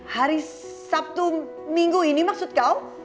hari sabtu minggu ini maksud kau